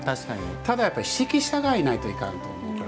ただ、指揮者がいないといかんと思うから。